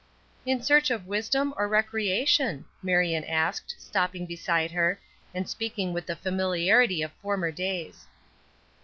"In search of wisdom, or recreation?" Marion asked, stopping beside her, and speaking with the familiarity of former days.